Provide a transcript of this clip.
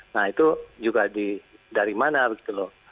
nah itu juga dari mana begitu loh